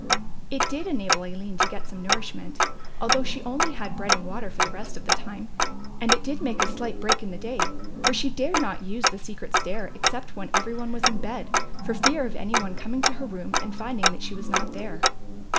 It did enable Aline to get some nourishment, although she only had bread and water for the rest of the time, and it did make a slight break in the day, for she dared not use the secret stair except when every one was in bed, for fear of any one coming to her room and finding that she was not there.